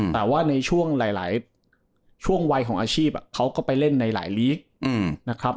แต่ว่าในช่วงหลายช่วงวัยของอาชีพเขาก็ไปเล่นในหลายลีกนะครับ